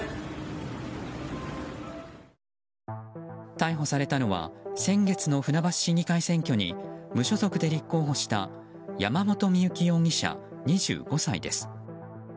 逮捕されたのは先月の船橋市議会選挙に無所属で立候補した山本深雪容疑者、２５歳です。